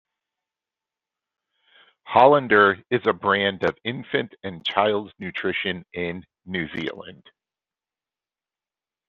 Hollander is a brand of infant and child nutrition in New Zealand.